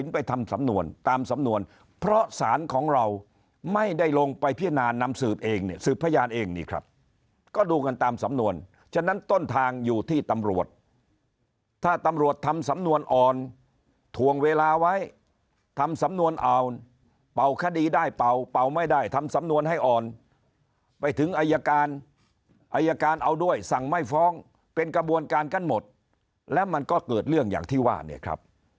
ไปทำสำนวนตามสำนวนเพราะสารของเราไม่ได้ลงไปพินานำสืบเองเนี่ยสืบพยานเองนี่ครับก็ดูกันตามสำนวนฉะนั้นต้นทางอยู่ที่ตำรวจถ้าตำรวจทำสำนวนอ่อนถวงเวลาไว้ทำสำนวนเอาเป่าคดีได้เป่าเป่าไม่ได้ทำสำนวนให้อ่อนไปถึงอายการอายการเอาด้วยสั่งไม่ฟ้องเป็นกระบวนการกันหมดแล้วมันก็เกิดเรื่องอย่างที่ว่าเนี่ยครับ